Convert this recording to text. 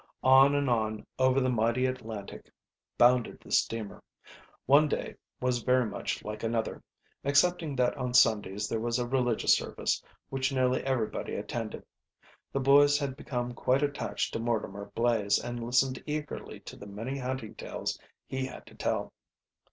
On and on over the mighty Atlantic bounded the steamer. One day was very much like another, excepting that on Sundays there was a religious service, which nearly everybody attended. The boys had become quite attached to Mortimer Blaze and listened eagerly to the many hunting tales he had to tell.